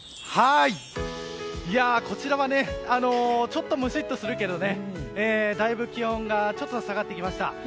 こちらはちょっとムシッとするけどねだいぶ気温が下がってきました。